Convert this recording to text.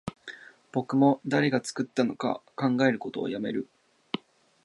僕も誰が作ったのか考えることをやめる